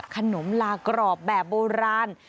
ขนมลากรอบแบบโบราณ